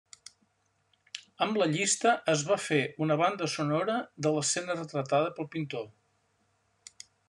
Amb la llista es va fer una banda sonora de l'escena retratada pel pintor.